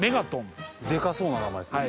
デカそうな名前ですね。